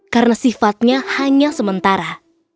karena sifatnya hanya sementara